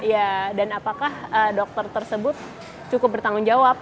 ya dan apakah dokter tersebut cukup bertanggung jawab